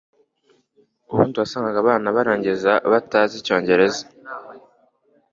ubundi wasangaga abana barangiza batazi Icyongereza